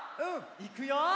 いくよ！